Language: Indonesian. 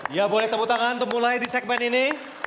ya boleh tepuk tangan untuk mulai di segmen ini